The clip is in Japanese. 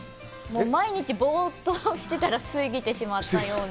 毎日ぼーっとしてたら過ぎてしまったような。